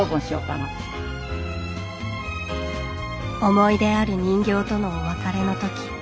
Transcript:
思い出ある人形とのお別れのとき